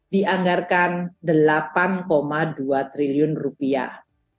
dianggarkan delapan dua triliun rupiah